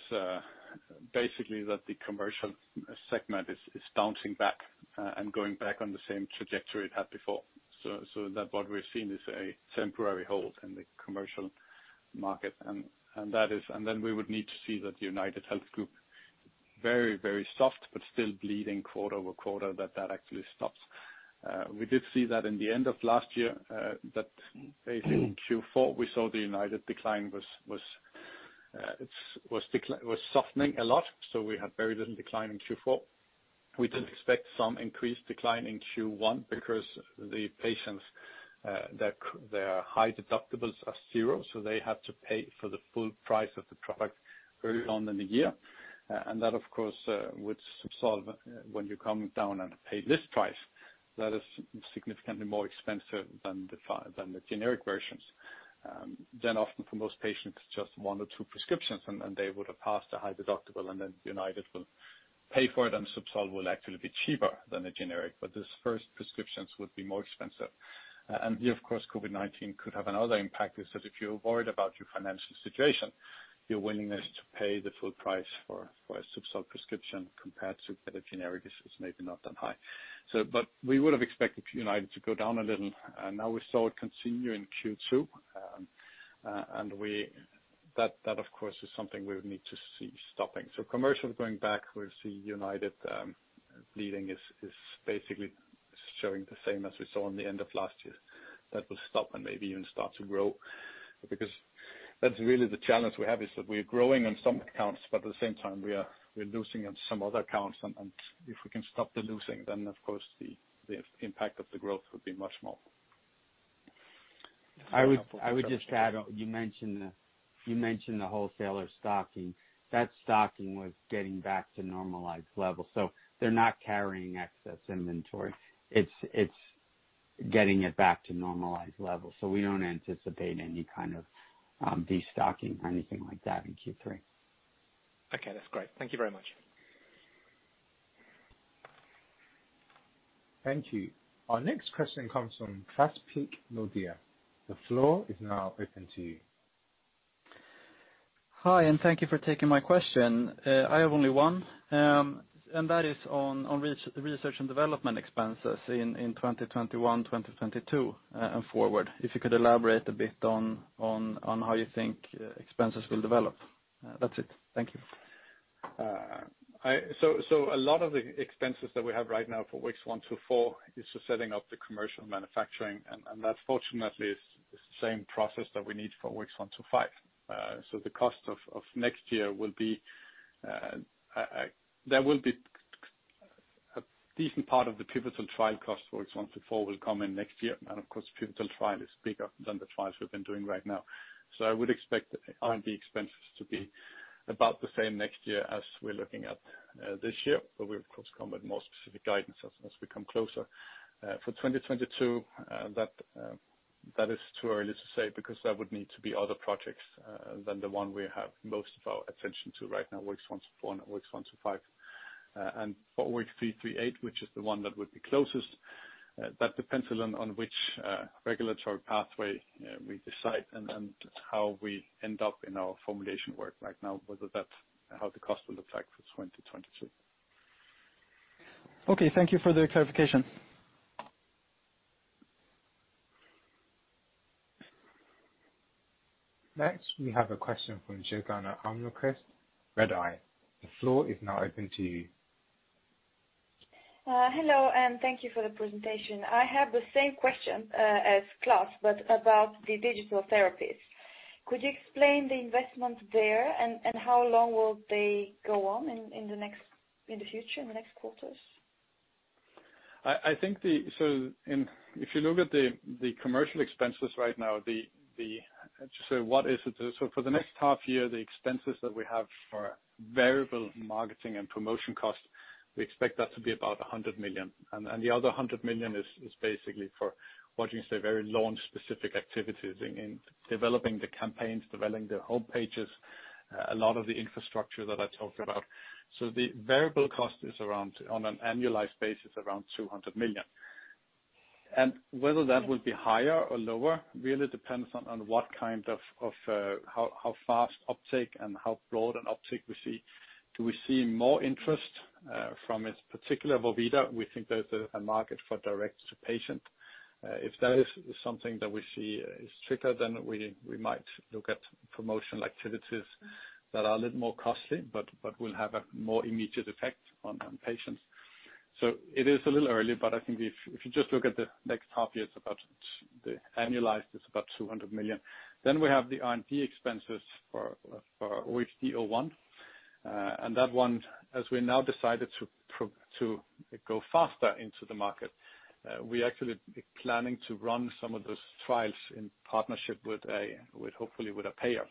basically that the commercial segment is bouncing back and going back on the same trajectory it had before. What we've seen is a temporary hold in the commercial market. We would need to see that the UnitedHealth Group very, very soft, but still bleeding quarter over quarter, that that actually stops. We did see that in the end of last year, that basically in Q4, we saw the United decline was softening a lot. We had very little decline in Q4. We did expect some increased decline in Q1 because the patients, their high deductibles are zero. They have to pay for the full price of the product early on in the year. That, of course, with ZUBSOLV, when you come down and pay this price. That is significantly more expensive than the generic versions. Then often for most patients, it's just one or two prescriptions, and then they would have passed a high deductible. United will pay for it, and ZUBSOLV will actually be cheaper than the generic. These first prescriptions would be more expensive. Here, of course, COVID-19 could have another impact, is that if you're worried about your financial situation, your willingness to pay the full price for a ZUBSOLV prescription compared to get a generic is maybe not that high. We would have expected United to go down a little. Now we saw it continue in Q2. That, of course, is something we would need to see stopping. Commercial going back, we'll see United bleeding is basically showing the same as we saw in the end of last year. That will stop and maybe even start to grow. Because that's really the challenge we have, is that we're growing on some accounts, but at the same time, we're losing on some other accounts. If we can stop the losing, then, of course, the impact of the growth would be much more. I would just add, you mentioned the wholesaler stocking. That stocking was getting back to normalized level. They are not carrying excess inventory. It is getting it back to normalized level. We do not anticipate any kind of destocking or anything like that in Q3. Okay, that's great. Thank you very much. Thank you. Our next question comes from Kraspik Nordia. The floor is now open to you. Hi, and thank you for taking my question. I have only one. That is on research and development expenses in 2021, 2022, and forward. If you could elaborate a bit on how you think expenses will develop. That's it. Thank you. A lot of the expenses that we have right now for OX124 is for setting up the commercial manufacturing. That, fortunately, is the same process that we need for OX125. The cost of next year will be there will be a decent part of the pivotal trial cost for OX124 will come in next year. Of course, pivotal trial is bigger than the trials we've been doing right now. I would expect R&D expenses to be about the same next year as we're looking at this year. We, of course, come with more specific guidance as we come closer. For 2022, that is too early to say because there would need to be other projects than the one we have most of our attention to right now, OX124 and OX125. For OX338, which is the one that would be closest, that depends on which regulatory pathway we decide and how we end up in our formulation work right now, whether that's how the cost will look like for 2022. Okay, thank you for the clarification. Next, we have a question from Johanna Omnokrist, Redeye. The floor is now open to you. Hello, and thank you for the presentation. I have the same question as Klaas, but about the digital therapies. Could you explain the investment there and how long will they go on in the future, in the next quarters? I think if you look at the commercial expenses right now, what is it? For the next half year, the expenses that we have for variable marketing and promotion cost, we expect that to be about 100 million. The other 100 million is basically for, what you say, very launch-specific activities in developing the campaigns, developing the homepages, a lot of the infrastructure that I talked about. The variable cost is around, on an annualized basis, around 200 million. Whether that will be higher or lower really depends on how fast uptake and how broad an uptake we see. Do we see more interest from a particular OHD01? We think there's a market for direct to patient. If that is something that we see is trickledown, we might look at promotional activities that are a little more costly, but will have a more immediate effect on patients. It is a little early, but I think if you just look at the next half year, the annualized is about 200 million. Then we have the R&D expenses for OHD01. That one, as we now decided to go faster into the market, we actually are planning to run some of those trials in partnership with, hopefully, with a payer.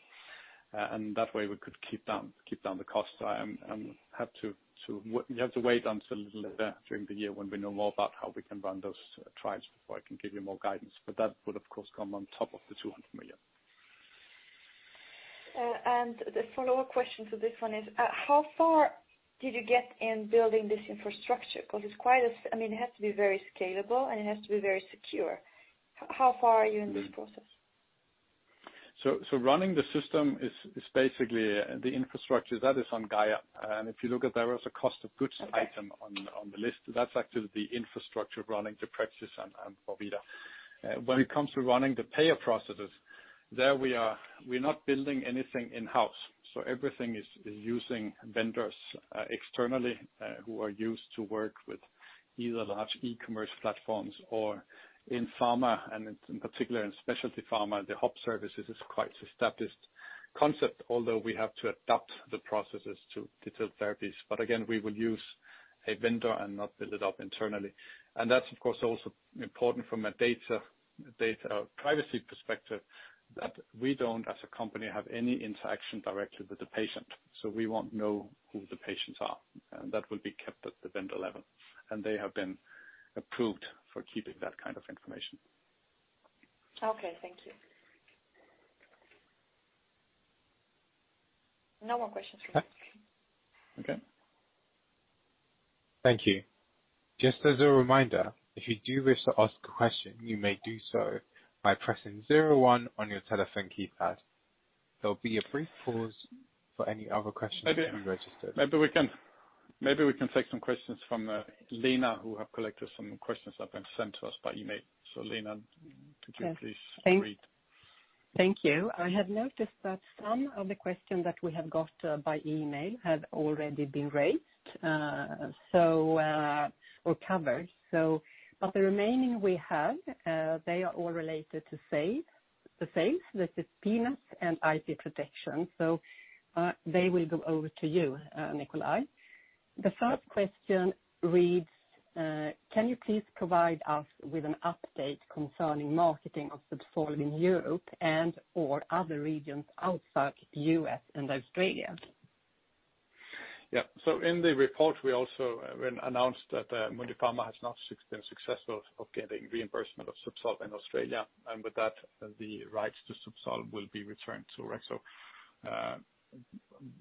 That way, we could keep down the cost. I am happy to, you have to wait until a little later during the year when we know more about how we can run those trials before I can give you more guidance. That would, of course, come on top of the 200 million. The follow-up question to this one is, how far did you get in building this infrastructure? Because it's quite a, I mean, it has to be very scalable and it has to be very secure. How far are you in this process? Running the system is basically the infrastructure Gaia AG. if you look at there as a cost of goods item on the list, that's actually the infrastructure running the practice and Vorvida. When it comes to running the payer processes, we are not building anything in-house. Everything is using vendors externally who are used to work with either large e-commerce platforms or in pharma, and in particular in specialty pharma, the hub services is quite established concept, although we have to adapt the processes to digital therapies. Again, we will use a vendor and not build it up internally. That is, of course, also important from a data privacy perspective that we do not, as a company, have any interaction directly with the patient. We will not know who the patients are. That will be kept at the vendor level. They have been approved for keeping that kind of information. Okay, thank you. No more questions from me. Okay. Thank you. Thank you. Just as a reminder, if you do wish to ask a question, you may do so by pressing 01 on your telephone keypad. There will be a brief pause for any other questions that have been registered. Maybe we can take some questions from Lena, who has collected some questions that have been sent to us by email. Lena, could you please read? Thank you. I have noticed that some of the questions that we have got by email have already been raised or covered. The remaining we have, they are all related to sales. The sales, this is peanuts and IP protection. They will go over to you, Nikolaj. The first question reads, can you please provide us with an update concerning marketing of ZUBSOLV in Europe and/or other regions outside the US and Australia? Yeah. In the report, we also announced that Mundipharma has not been successful of getting reimbursement of ZUBSOLV in Australia. With that, the rights to ZUBSOLV will be returned to us.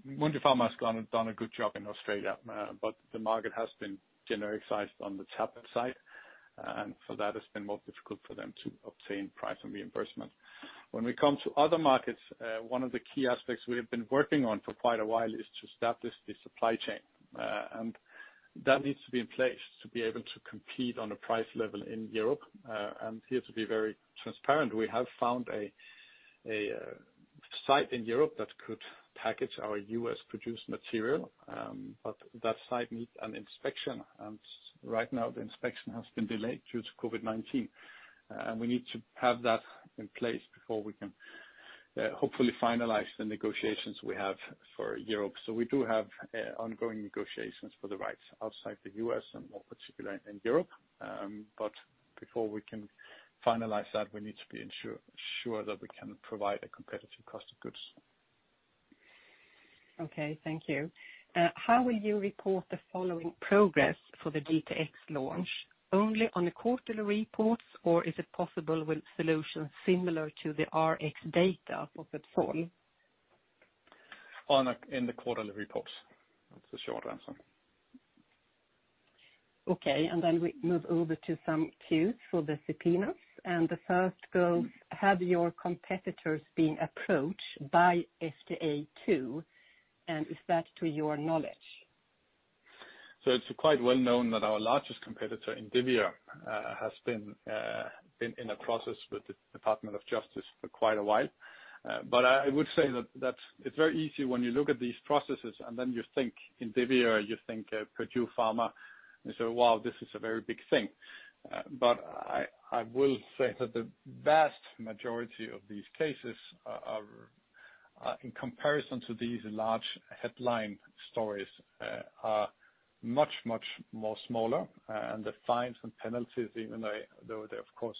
Mundipharma has done a good job in Australia, but the market has been genericised on the TAP side. For that, it has been more difficult for them to obtain price and reimbursement. When we come to other markets, one of the key aspects we have been working on for quite a while is to establish the supply chain. That needs to be in place to be able to compete on a price level in Europe. Here, to be very transparent, we have found a site in Europe that could package our US-produced material. That site needs an inspection. Right now, the inspection has been delayed due to COVID-19. We need to have that in place before we can hopefully finalise the negotiations we have for Europe. We do have ongoing negotiations for the rights outside the US and more particularly in Europe. Before we can finalise that, we need to be sure that we can provide a competitive cost of goods. Okay, thank you. How will you report the following progress for the DTX launch? Only on the quarterly reports, or is it possible with solutions similar to the RX data for ZUBSOLV? On the quarterly reports. That's the short answer. Okay. We move over to some cues for the subpoenas. The first goes, have your competitors been approached by FDA too? Is that to your knowledge? It's quite well known that our largest competitor, Indivior, has been in a process with the Department of Justice for quite a while. I would say that it's very easy when you look at these processes and then you think Indivior, you think Purdue Pharma. You say, wow, this is a very big thing. I will say that the vast majority of these cases, in comparison to these large headline stories, are much, much smaller. The fines and penalties, even though they, of course,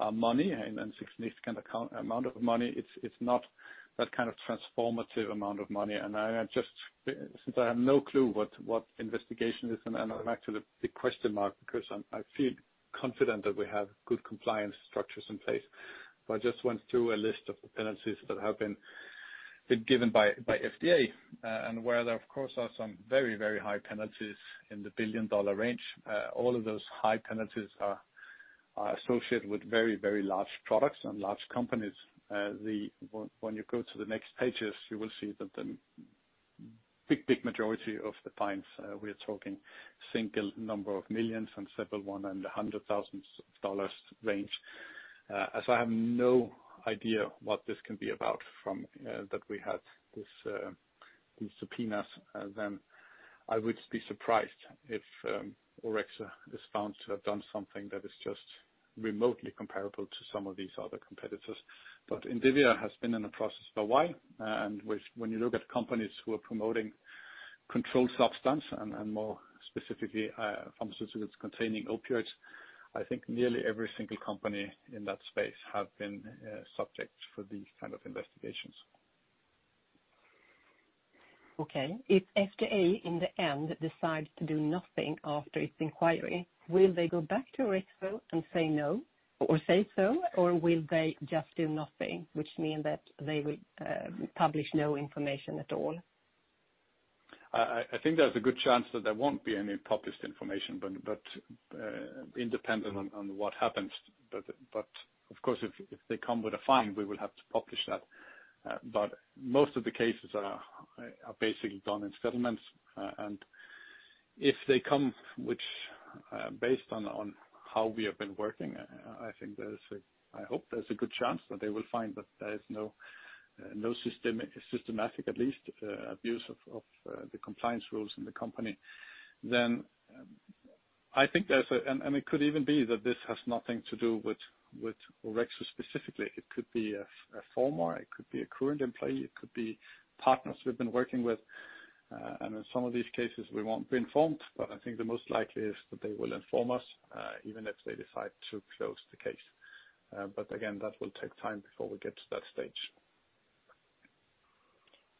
are money and a significant amount of money, it's not that kind of transformative amount of money. I just, since I have no clue what investigation is, and I'm actually a big question mark because I feel confident that we have good compliance structures in place. I just went through a list of the penalties that have been given by FDA, and where, of course, are some very, very high penalties in the billion-dollar range. All of those high penalties are associated with very, very large products and large companies. When you go to the next pages, you will see that the big, big majority of the fines we are talking, single number of millions and several one and a hundred thousand dollars range. As I have no idea what this can be about from that we had these subpoenas, I would be surprised if Orexo is found to have done something that is just remotely comparable to some of these other competitors. Indivior has been in a process for a while. When you look at companies who are promoting controlled substance, and more specifically, pharmaceuticals containing opioids, I think nearly every single company in that space has been subject for these kinds of investigations. Okay. If FDA in the end decides to do nothing after its inquiry, will they go back to Orexo and say no or say so, or will they just do nothing, which means that they will publish no information at all? I think there's a good chance that there won't be any published information, independent on what happens. Of course, if they come with a fine, we will have to publish that. Most of the cases are basically done in settlements. If they come, which based on how we have been working, I hope there's a good chance that they will find that there is no systematic, at least, abuse of the compliance rules in the company. I think it could even be that this has nothing to do with Orexo specifically. It could be a former, it could be a current employee, it could be partners we've been working with. In some of these cases, we won't be informed. I think the most likely is that they will inform us, even if they decide to close the case. Again, that will take time before we get to that stage.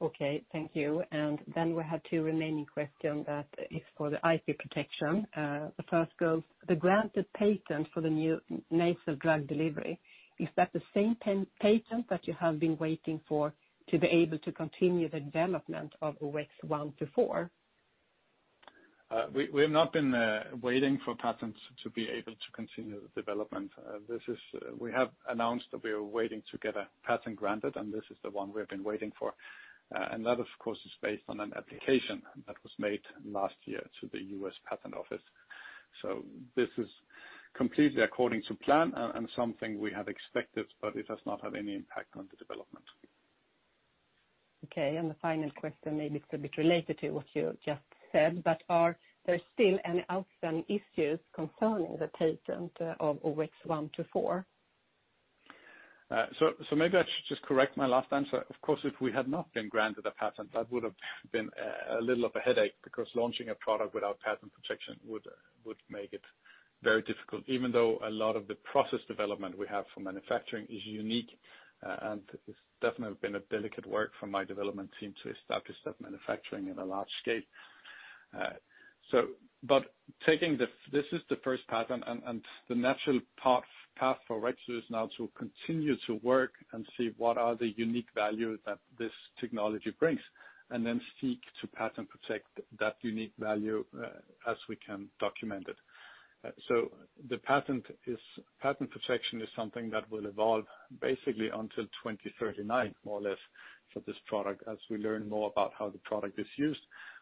Okay, thank you. We had two remaining questions that is for the IP protection. The first goes, the granted patent for the new nasal drug delivery, is that the same patent that you have been waiting for to be able to continue the development of OX124? We have not been waiting for patents to be able to continue the development. This is we have announced that we are waiting to get a patent granted, and this is the one we have been waiting for. That, of course, is based on an application that was made last year to the US Patent Office. This is completely according to plan and something we have expected, but it has not had any impact on the development. Okay. The final question, maybe it's a bit related to what you just said, but are there still any outstanding issues concerning the patent of OX124? Maybe I should just correct my last answer. Of course, if we had not been granted a patent, that would have been a little of a headache because launching a product without patent protection would make it very difficult, even though a lot of the process development we have for manufacturing is unique. It has definitely been a delicate work for my development team to establish that manufacturing in a large scale. Taking this as the first patent, the natural path for Orexo is now to continue to work and see what are the unique value that this technology brings, and then seek to patent protect that unique value as we can document it. The patent protection is something that will evolve basically until 2039, more or less, for this product as we learn more about how the product is used,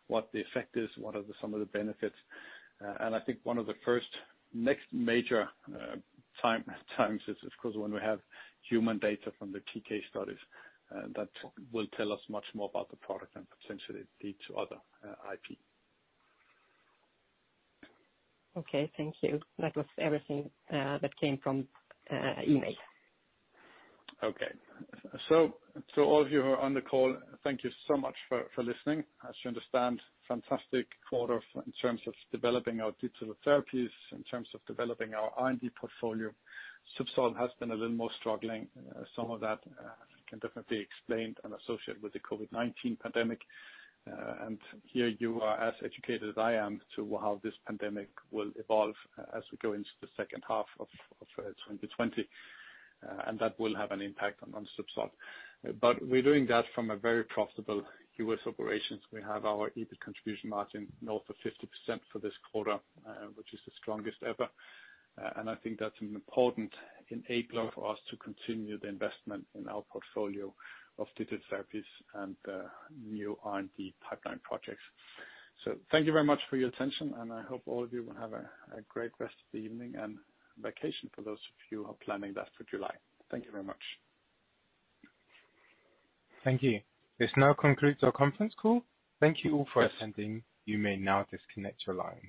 what the effect is, what are some of the benefits. I think one of the first next major times is, of course, when we have human data from the PK studies that will tell us much more about the product and potentially lead to other IP. Okay, thank you. That was everything that came from email. Okay. To all of you who are on the call, thank you so much for listening. As you understand, fantastic quarter in terms of developing our digital therapies, in terms of developing our R&D portfolio. ZUBSOLV has been a little more struggling. Some of that can definitely be explained and associated with the COVID-19 pandemic. You are as educated as I am to how this pandemic will evolve as we go into the second half of 2020. That will have an impact on ZUBSOLV. We are doing that from a very profitable US operations. We have our EBIT contribution margin north of 50% for this quarter, which is the strongest ever. I think that is an important enabler for us to continue the investment in our portfolio of digital therapies and new R&D pipeline projects. Thank you very much for your attention. I hope all of you will have a great rest of the evening and vacation for those of you who are planning that for July. Thank you very much. Thank you. This now concludes our conference call. Thank you all for attending. You may now disconnect your line.